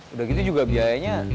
udah gitu juga biayanya